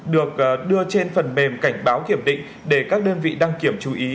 được đưa trên phần mềm cảnh báo kiểm định để các đơn vị đăng kiểm chú ý